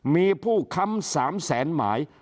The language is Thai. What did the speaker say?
มีผู้ค้ำ๓แสนหมาย